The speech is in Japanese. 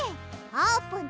あーぷん！